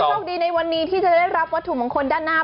โชคดีในวันนี้ที่จะได้รับวัตถุมงคลด้านหน้า